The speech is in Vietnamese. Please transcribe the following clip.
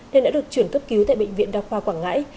nên đã được chuyển cấp cứu tại bệnh viện đa khoa quảng ngãi